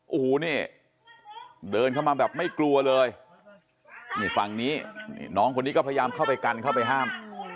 โอ้โหนี่เดินเข้ามาแบบไม่กลัวเลยนี่ฝั่งนี้น้องคนนี้ก็พยายามเข้าไปกันเข้าไปห้าม